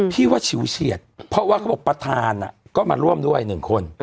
ที่ว่าฉิวเฉียดเพราะว่าเขาบอกประธานก็มาร่วมด้วย๑คน